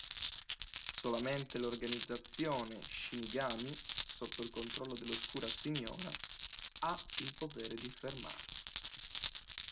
Solamente l'organizzazione shinigami sotto il controllo dell'Oscura Signora ha il potere di fermarli.